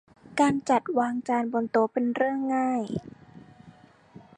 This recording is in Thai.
การจัดวางจานบนโต๊ะเป็นเรื่องง่าย